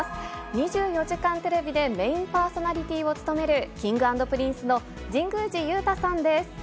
２４時間テレビでメインパーソナリティーを務める、Ｋｉｎｇ＆Ｐｒｉｎｃｅの神宮寺勇太さんです。